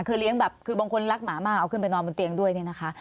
คือบางคนรักหมามากเอาขึ้นไปนอนบนเตียงด้วยนะคะ